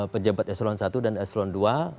pejabat eselon i dan eselon ii